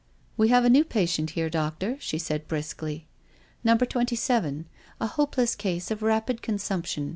"We have a new patient there, doctor," she said briskly. "Number Twenty seven. A hopeless case of rapid consumption.